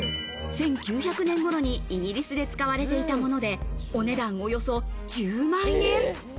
１９００年頃にイギリスで使われていたもので、お値段およそ１０万円。